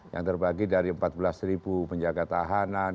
yang terbagi dari empat belas penjaga tahanan